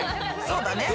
そうだね。